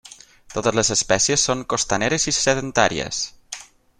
Totes les espècies són costaneres i sedentàries.